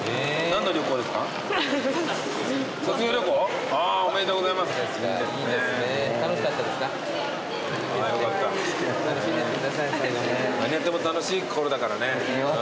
何やっても楽しいころだからね。